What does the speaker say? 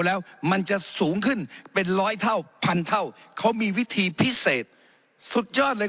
แล้วมันจะสูงขึ้นเป็นร้อยเท่าพันเท่าเขามีวิธีพิเศษสุดยอดเลย